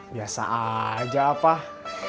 biasa aja pak